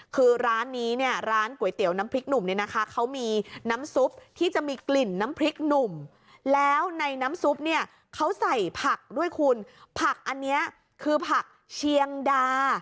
คือร้านนี้เนี่ยร้านก๋วยเตี๋ยวน้ำพริกหนุ่มเนี่ยนะคะเขามีน้ำซุปที่จะมีกลิ่นน้ำพริกหนุ่มแล้วในน้ำซุปเนี่ยเขาใส่ผักด้วยคุณผักอันนี้คือผักเชียงดา